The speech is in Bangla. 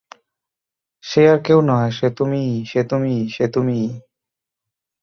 সে আর কেউ নয়, সে তুমিই, সে তুমিই, সে তুমিই।